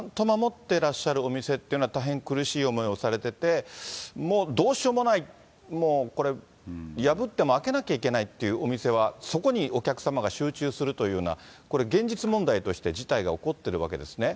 てらっしゃるお店っていうのは大変苦しい思いをされてて、もうどうしようもない、もうこれ、破っても開けなきゃいけないっていうお店はそこにお客様が集中するというような、これ、現実問題として事態が起こっているわけですね。